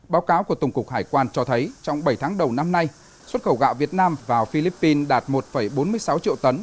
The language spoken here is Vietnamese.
báo cáo của tổng cục hải quan cho thấy trong bảy tháng đầu năm nay xuất khẩu gạo việt nam vào philippines đạt một bốn mươi sáu triệu tấn